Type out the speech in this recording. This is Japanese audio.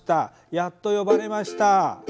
やっと呼ばれました。